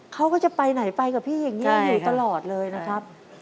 เขาก็จะไปไหนไปกับพี่อย่างนี้อยู่ตลอดเลยนะครับ